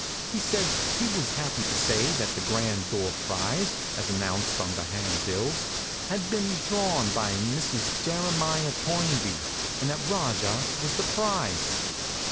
He said he was happy to say that the grand door prize, as announced on the hand bills, had been drawn by Mrs. Jeremiah Toynbee, and that Rajah was the prize.